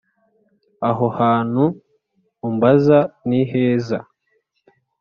Aho hantu umbaza ni heza